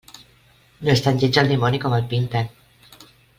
No és tan lleig el dimoni com el pinten.